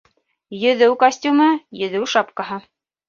Йөҙөү костюмы. Йөҙөү шапкаһы